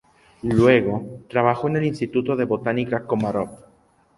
Luego, trabajó en el Instituto de Botánica Komarov.